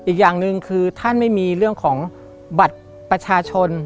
อีกอย่างหนึ่งคือท่านไม่มีเรื่องของบัตรประชาชน